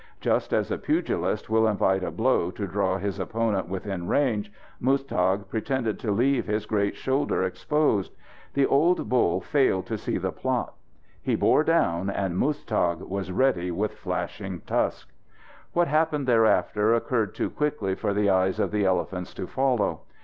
Just as a pugilist will invite a blow to draw his opponent within range, Muztagh pretended to leave his great shoulder exposed. The old bull failed to see the plot. He bore down, and Muztagh was ready with flashing tusk. What happened thereafter occurred too quickly for the eyes of the elephants to follow.